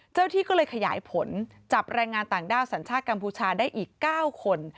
ที่ก็เลยขยายผลจับแรงงานต่างด้าวสัญชาติกัมพูชาได้อีก๙คน